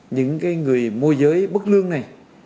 những cái người môi giới bất lương này